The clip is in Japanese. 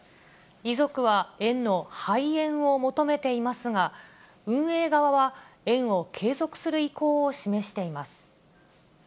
遺族は園の廃園を求めていますが、運営側は、園を継続する意向を示しています。